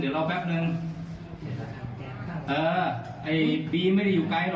เดี๋ยวรอแป๊บนึงเออไอ้บีไม่ได้อยู่ไกล